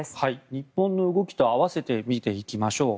日本の動きと併せて見ていきましょう。